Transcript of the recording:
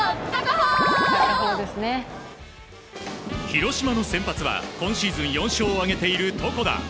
広島の先発は今シーズン４勝を挙げている床田。